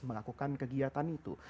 melakukan kegiatan itu